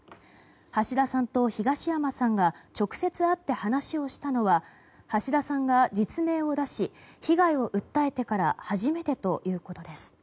橋田さんと東山さんが直接会って話をしたのは橋田さんが実名を出し被害を訴えてから初めてということです。